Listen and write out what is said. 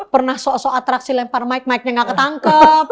pernah sok sok atraksi lempar mic mic nya gak ketangkep